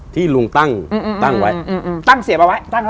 ที่ลุงตั้งไว้